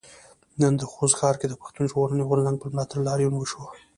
نن د خوست ښار کې د پښتون ژغورنې غورځنګ په ملاتړ لاريون وشو.